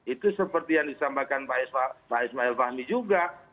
itu seperti yang disampaikan pak ismail fahmi juga